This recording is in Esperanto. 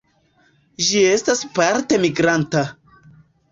Ĝi estas parte migranta.